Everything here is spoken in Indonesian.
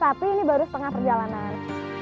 tapi ini baru setengah perjalanan